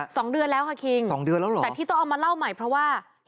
สองเดือนแล้วค่ะคิงแต่ที่ต้องเอามาเล่าใหม่เพราะว่าสองเดือนแล้วเหรอ